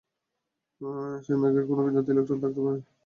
সেই মেঘের যেকোনো বিন্দুতে ইলেকট্রন থাকতে পারে।